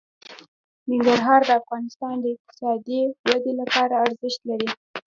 ننګرهار د افغانستان د اقتصادي ودې لپاره ارزښت لري.